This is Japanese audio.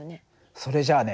それじゃあね